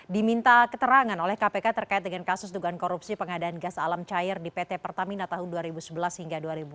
diminta keterangan oleh kpk terkait dengan kasus dugaan korupsi pengadaan gas alam cair di pt pertamina tahun dua ribu sebelas hingga dua ribu enam belas